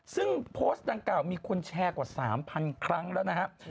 ซึ่งโพสต์ดังกล่าวมีคนแชร์กว่า๓๐๐ครั้งแล้วนะครับ